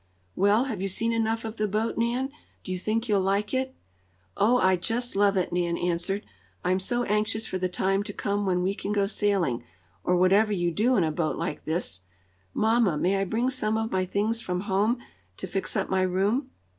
Well, have you seen enough of the boat, Nan? Do you think you'll like it?" "Oh, I just love it," Nan answered. "I'm so anxious for the time to come when we can go sailing, or whatever you do in a boat like this. Mamma, may I bring some of my things from home to fix up my room?"